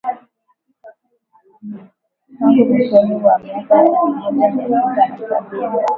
Tangu mwishoni mwa miaka ya elfu moja mia tisa na sabini